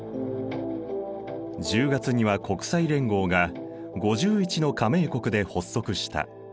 １０月には国際連合が５１の加盟国で発足した。